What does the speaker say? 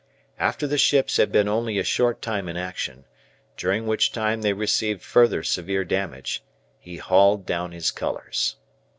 After the ships had been only a short time in action, during which time they received further severe damage, he hauled down his colours.